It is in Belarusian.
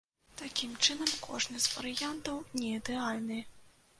Такім чынам, кожны з варыянтаў неідэальны.